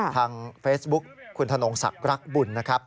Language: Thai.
ทางเฟซบุ๊คคุณธนงศักดิ์รักบุญนะครับ